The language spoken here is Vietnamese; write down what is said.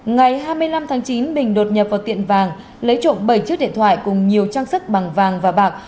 ngày hai mươi năm tháng chín bình đột nhập vào tiệm vàng lấy trộm bảy chiếc điện thoại cùng nhiều trang sức bằng vàng và bạc